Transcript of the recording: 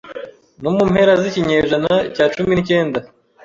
No mu mpera z'ikinyejana cya cumi n'icyenda,